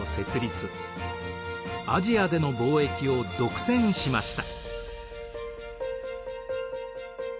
アジアでの貿易を独占しました。